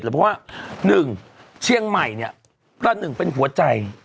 เพราะว่า๑เชียงใหม่เนี่ยประหนึ่งเป็นหัวใจ